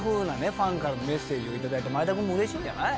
ファンからのメッセージを頂いて前田君も嬉しいんじゃない？